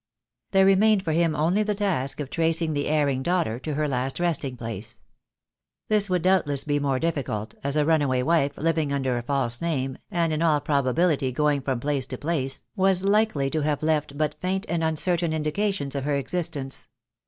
There remained for him only the task of tracing the erring daughter to her last resting place. This would doubtless be more difficult, as a runaway wife living under a false name, and in all probability going from place to place, was likely to have left but faint and un certain indications of her existence.